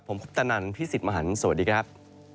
ผมพบจ้านานพี่สิทธิ์มหันต์สวัสดีครับ